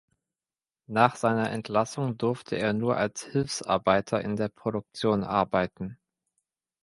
Nach seiner Entlassung durfte er nur als Hilfsarbeiter in der Produktion arbeiten.